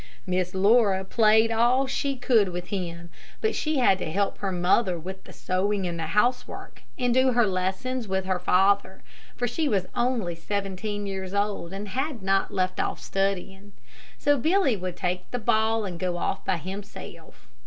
Miss Laura played all she could with him, but she had to help her mother with the sewing and the housework, and do lessons with her father, for she was only seventeen years old, and had not left off studying. So Billy would take his ball and go off by himself.